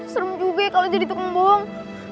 seru juga kalau jadi tukang bohong